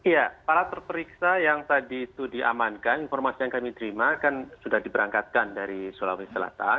ya para terperiksa yang tadi itu diamankan informasi yang kami terima kan sudah diberangkatkan dari sulawesi selatan